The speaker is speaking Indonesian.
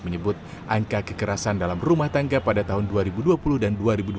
menyebut angka kekerasan dalam rumah tangga pada tahun dua ribu dua puluh dan dua ribu dua puluh